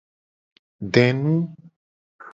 Denu.